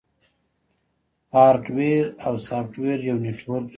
هارډویر او سافټویر یو نیټورک جوړوي.